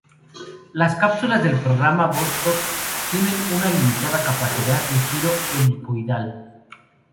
Las cápsulas del programa Vostok tienen una limitada capacidad de giro helicoidal.